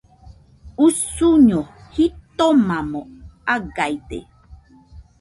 Usuño jitomamo agaide.